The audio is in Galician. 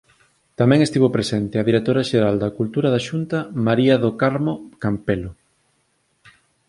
Tamén estivo presente a directora xeral de Cultura da Xunta, María do Carmo Campelo.